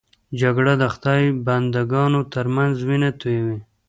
جګړه د خدای بنده ګانو تر منځ وینه تویوي